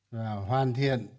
và hoàn thiện